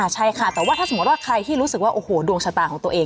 ใช่ค่ะแต่ว่าถ้าสมมุติว่าใครที่รู้สึกว่าโอ้โหดวงชะตาของตัวเอง